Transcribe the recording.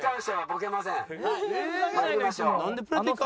参りましょう。